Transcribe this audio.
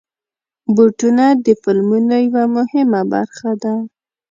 بوټونه د فلمونو یوه مهمه برخه ده.